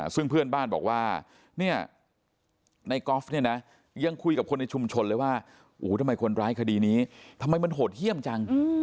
ซึ่งเพื่อนบ้านบอกว่าในกรอฟยังคุยกับคนในชุมชนเลยว่าทำไมคนร้ายคดีนี้ทำไมมันโหดเยี่ยมจัง